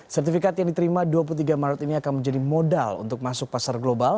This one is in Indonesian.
sertifikat yang diterima dua puluh tiga maret ini akan menjadi modal untuk masuk pasar global